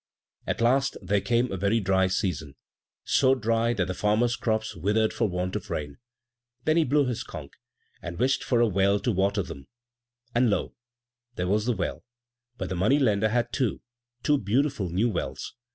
At last, there came a very dry season, so dry that the farmer's crops withered for want of rain. Then he blew his conch, and wished for a well to water them, and lo! there was the well, but the money lender had two! two beautiful new wells!